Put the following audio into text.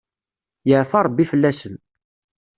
Yeɛfa rebbi fell-asen.